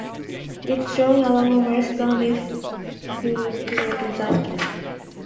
It is joined along the western rim to the crater Deslandres.